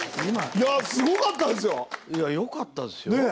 いやすごかったですよ。